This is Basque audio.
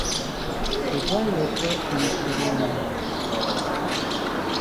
Hegoaldeko hemisferioan dago.